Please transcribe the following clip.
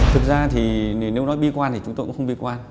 thực ra thì nếu nói bi quan thì chúng tôi cũng không bi quan